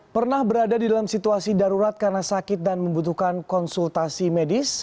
pernah berada di dalam situasi darurat karena sakit dan membutuhkan konsultasi medis